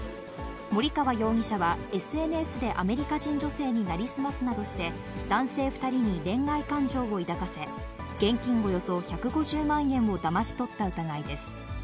森川容疑者はＳＮＳでアメリカ人女性に成り済ますなどして、男性２人に恋愛感情を抱かせ、現金およそ１５０万円をだまし取った疑いです。